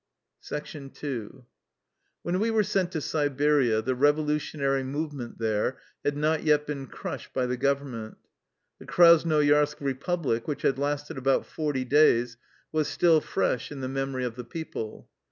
II When we were sent to Siberia the revolution ary movement there had not yet been crushed by the government. The Krasnoyarsk "repub lic," which had lasted about forty days, was still fresh in the memory of the people.